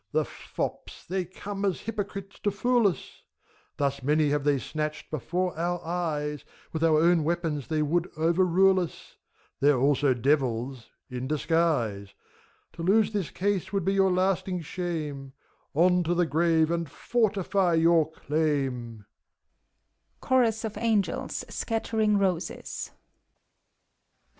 The fops, they come as hypocrites, to fool us ! Thus many have they snatched, before our eyes : With our own weapons they would overrule us; They're also Devils — ^in disguise. To lose this case would be your lasting shame ; On to the grave, and fortify your claim